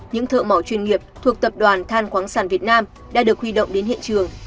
những thợ mỏ chuyên nghiệp thuộc tập đoàn than khoáng sản việt nam đã được huy động đến hiện trường